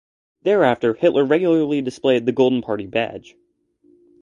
Thereafter, Hitler regularly displayed the Golden Party Badge.